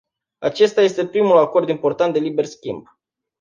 Acesta este primul acord important de liber schimb.